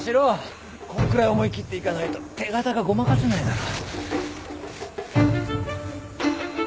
こんくらい思い切っていかないと手形がごまかせないだろ。